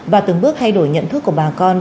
và từng bước thay đổi nhận thức của bà con